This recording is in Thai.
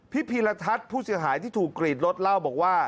พีรทัศน์ผู้เสียหายที่ถูกกรีดรถเล่าบอกว่า